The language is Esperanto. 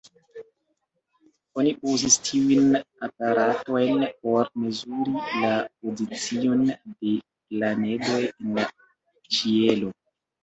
Oni uzis tiujn aparatojn por mezuri la pozicion de planedoj en la ĉielo.